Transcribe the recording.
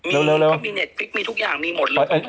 เร็วเร็วเร็วมีทุกอย่างนี่หมดเลย